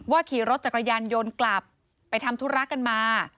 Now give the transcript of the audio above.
ขี่รถจักรยานยนต์กลับไปทำธุระกันมา